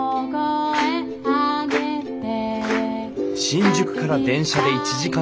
新宿から電車で１時間ちょっと。